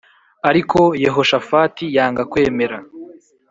Ariko Yehoshafati yanga kwemera